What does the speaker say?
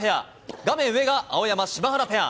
画面上が青山・柴原ペア。